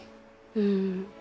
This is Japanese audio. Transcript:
うん。